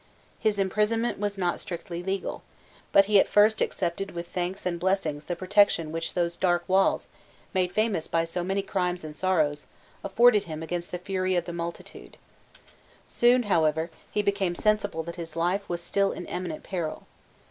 His imprisonment was not strictly legal: but he at first accepted with thanks and blessings the protection which those dark walls, made famous by so many crimes and sorrows, afforded him against the fury of the multitude, Soon, however, he became sensible that his life was still in imminent peril.